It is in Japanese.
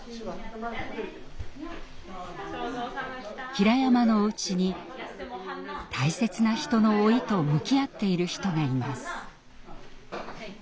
ひらやまのお家に大切な人の老いと向き合っている人がいます。